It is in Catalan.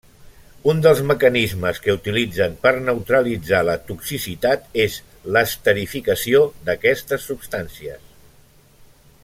Un dels mecanismes que utilitzen per neutralitzar la toxicitat és l'esterificació d'aquestes substàncies.